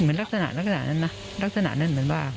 เหมือนลักษณะเดียวกันน่ะหลักษณะเหมือนว่าน่ะ